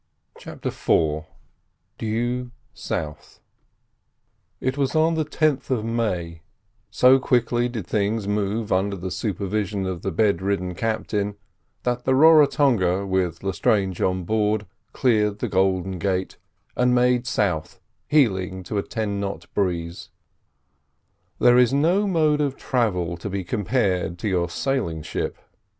CHAPTER IV DUE SOUTH It was on the 10th of May, so quickly did things move under the supervision of the bedridden captain, that the Raratonga, with Lestrange on board, cleared the Golden Gates, and made south, heeling to a ten knot breeze. There is no mode of travel to be compared to your sailing ship.